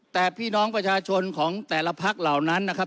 แต่พี่น้องประชาชนของแต่ละพักเหล่านั้นนะครับ